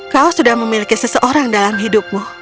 kau sudah memiliki seseorang dalam hidupmu